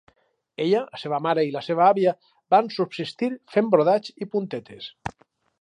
Ella, la seva mare i la seva àvia van subsistir fent brodats i puntetes.